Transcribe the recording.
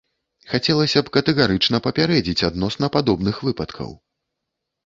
Хацелася б катэгарычна папярэдзіць адносна падобных выпадкаў.